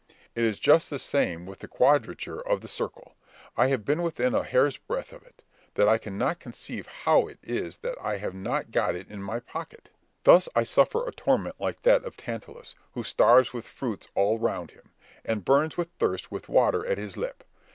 It is just the same with the quadrature of the circle. I have been within such a hair's breadth of it, that I cannot conceive how it is that I have not got it in my pocket. Thus I suffer a torment like that of Tantalus, who starves with fruits all round him, and burns with thirst with water at his lip.